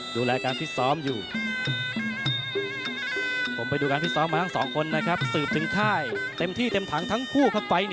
ดูแลการภิกษอมอยู่